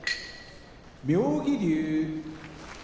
妙義龍